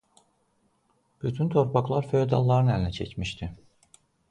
Bütün torpaqlar feodalların əlinə keçmişdi.